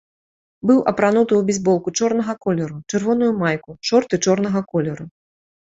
Быў апрануты ў бейсболку чорнага колеру, чырвоную майку, шорты чорнага колеру.